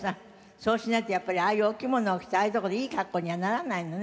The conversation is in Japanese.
そうしないとやっぱりああいうお着物を着てああいう所でいい格好にはならないのね。